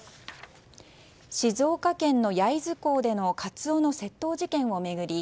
静岡県の焼津港でのカツオの窃盗事件を巡り